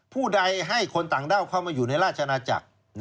ผู้ใดให้คนต่างด้าวเข้ามาอยู่ในราชนาจักร